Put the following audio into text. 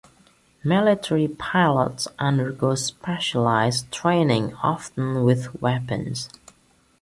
Military pilots undergo specialized training, often with weapons.